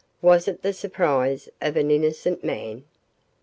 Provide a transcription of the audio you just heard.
Was it the surprise of an innocent man?